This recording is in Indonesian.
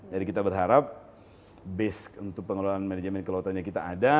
jadi kita berharap base untuk pengelolaan manajemen kelautannya kita ada